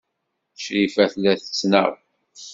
Crifa tella tettnaɣ.